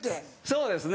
そうですね